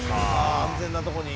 安全なとこに。